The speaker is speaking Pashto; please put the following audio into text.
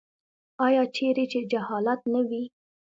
آیا چیرې چې جهالت نه وي؟